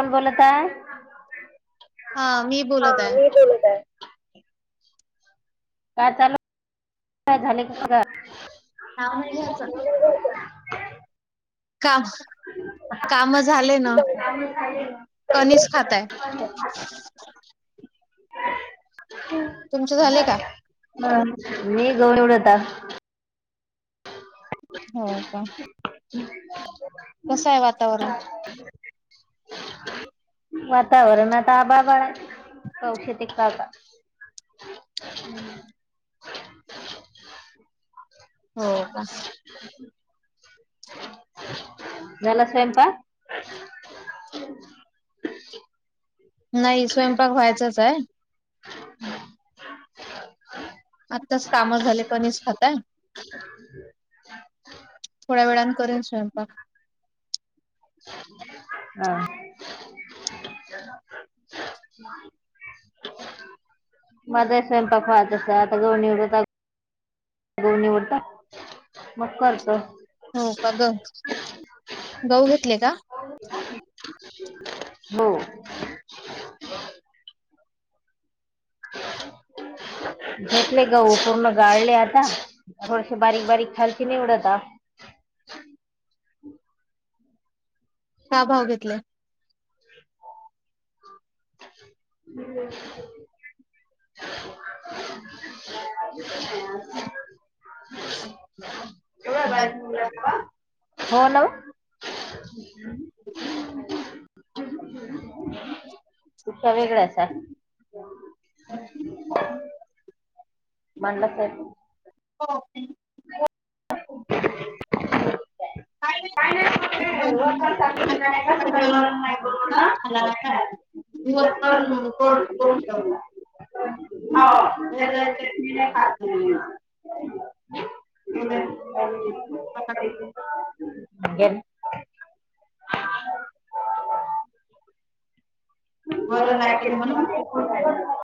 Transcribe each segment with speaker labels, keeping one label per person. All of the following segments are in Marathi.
Speaker 1: कोण बोलताय. हा, मी बोलत आहे. काय चालू, काय झाले कसग
Speaker 2: नाव नाही घ्यायचं.
Speaker 1: [inaudible]
Speaker 2: काम कामं झाले ना कणीस खाताय.
Speaker 1: हा म,
Speaker 2: तुमचे झाले का?
Speaker 1: मी गहु निवडता
Speaker 2: हं का
Speaker 1: [unintelligible]
Speaker 2: कसं हाय वातावरण
Speaker 1: वातावरण आता आभाळ बर, [inaudible] पाऊस येतंय की काय आता.
Speaker 2: हो का.
Speaker 1: ह [unintelligible] झाला स्वयंपाक [unintelligible]
Speaker 2: नाही स्वयंपाक व्हायचाच हाय आत्ताच कामं झाले कणीस खाताय
Speaker 1: [unintelligible]
Speaker 2: थोड्या वेळानं करेन स्वयंपाक
Speaker 1: हा माझा हि स्वयंपाक व्हायचा आता गहू निवडते गहु निवडता मग करतो
Speaker 2: हो का गं गहु घेतले का
Speaker 1: [unintelligible] हो घेतले गहु पूर्ण गाळले आता थोडशे बारीक बारीक खालकी निवडता
Speaker 2: काय भाव घेतले
Speaker 1: [unintelligible] [unintelligible] हो लाऊ
Speaker 2: [unintelligible]
Speaker 1: [inaudible] वेगळ्या असा
Speaker 2: [unintelligible]
Speaker 1: मणला साहेब
Speaker 2: कॉफी
Speaker 1: [unintelligible] व कसं काही वर नाही [inaudible] [unintelligible] हो [inaudible] चटणी खात नाही [unintelligible]
Speaker 2: वरण नाही केली म्हणून
Speaker 1: [unintelligible]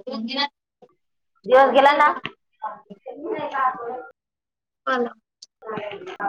Speaker 2: पुदीनात
Speaker 1: दिवस गेला ना
Speaker 2: आला.
Speaker 1: आवाज येते का?